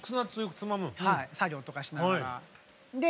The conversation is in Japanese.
はい作業とかしながら。